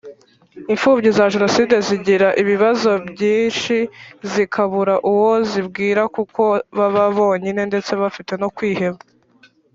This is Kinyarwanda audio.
imfubyi za Jenoside zigiiira ibibazo byinshi zikabura uwo zibwira kuko baba bonyine ndetse bafite no kwiheba.